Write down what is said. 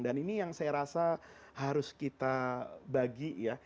dan ini yang saya rasa harus kita bagi ya